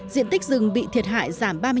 diện tích rừng bị thiệt hại giảm ba mươi